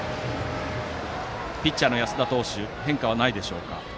ピッチャーの安田投手変化はないでしょうか。